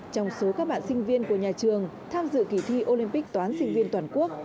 trong số các bạn sinh viên của nhà trường tham dự kỳ thi olympic toán sinh viên toàn quốc